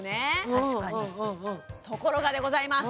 確かにところがでございます